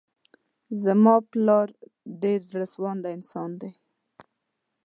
زما پلار ډير زړه سوانده انسان دی.